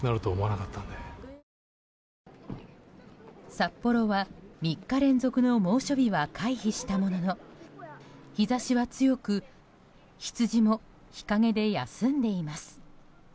札幌は、３日連続の猛暑日は回避したものの日差しは強くヒツジも日陰で休んでいます。